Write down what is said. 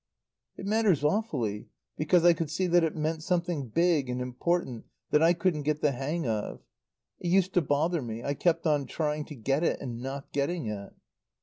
"It matters awfully. Because I could see that it meant something big and important that I couldn't get the hang of. It used to bother me. I kept on trying to get it, and not getting it."